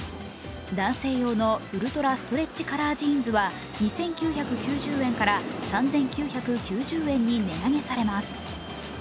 男性用のウルトラストレッチカラージーンズは２９９０円から３９９０円に値上げされます。